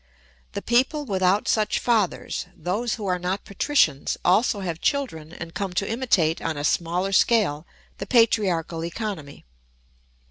The people without such fathers, those who are not patricians, also have children and come to imitate on a smaller scale the patriarchal economy.